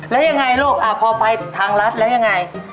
แล้วยังไงลูกพอไปถึงทางรัฐแล้วยังไง